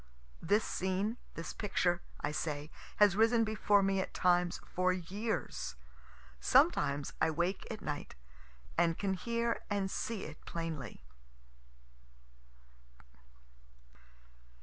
This scene, this picture, I say, has risen before me at times for years. Sometimes I wake at night and can hear and see it plainly.